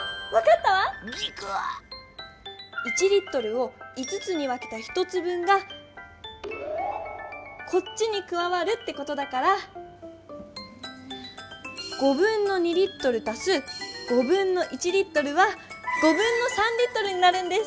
１リットルを５つに分けた１つ分がこっちにくわわるってことだからリットルたすリットルはリットルになるんです！